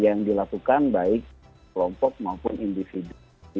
yang dilakukan baik kelompok maupun individu